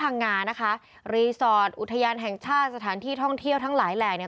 พังงานะคะรีสอร์ทอุทยานแห่งชาติสถานที่ท่องเที่ยวทั้งหลายแหล่เนี่ย